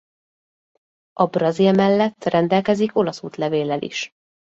A brazil mellett rendelkezik olasz útlevéllel is.